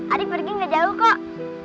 adik pergi gak jauh kok